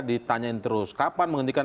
ditanyain terus kapan menghentikan